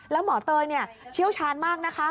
แล้วหมอเตยเชี่ยวชาญมากนะคะ